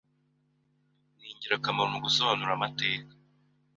ningirakamaro mugusobanura amateka